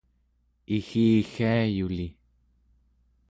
iggiggiayuli